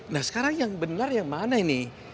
nah sekarang yang benar yang mana ini